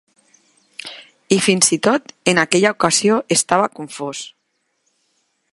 I fins-i-tot en aquella ocasió estava confús.